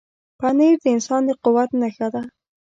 پنېر د انسان د قوت نښه ده.